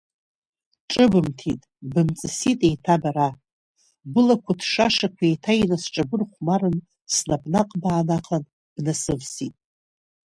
Ҿыбымҭит, бымҵысит еиҭа бара, была гәыҭшашақәа еиҭа инасҿабырхәмарын, снапы наҟ баанахан, бнасывсит.